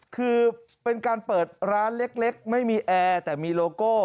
คือเป็นการเปิดร้านเล็กไม่มีแอร์แต่มีโลโก้